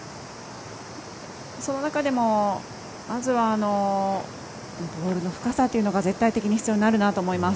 その中でもまずはボールの深さというのが絶対的に必要になるなと思います。